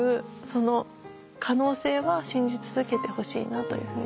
その可能性は信じ続けてほしいなというふうに思います。